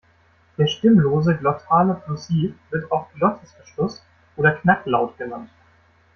Der stimmlose glottale Plosiv wird auch Glottisverschluss oder Knacklaut genannt.